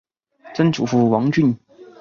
曾祖父王俊。